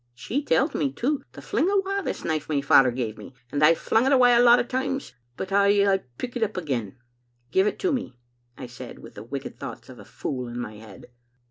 She telled me, too, to fling awa this knife my father gave me, and I've flung it awa a lot o' times, but I aye pick it up again. '" *Give it to me,' I said, with the wicked thoughts of a fool in my head.